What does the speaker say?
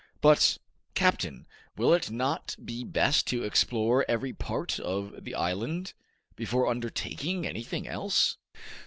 But, captain, will it not be best to explore every part of the island before undertaking anything else?"